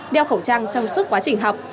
đeo khẩu trang trong suốt quá trình học